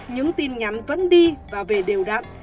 những tin nhắn vẫn đi và về đều đặn